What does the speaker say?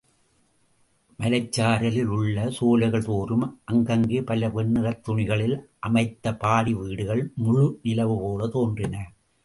மலைச்சாரலில் உள்ள சோலைகள் தோறும் அங்கங்கே பல வெண்ணிறத் துணிகளில் அமைத்த பாடி வீடுகள் முழுநிலவு போலத் தோன்றின.